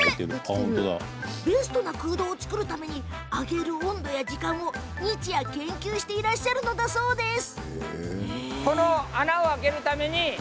ベストな空洞を作るために揚げる温度や時間を日夜、研究していらっしゃるんです。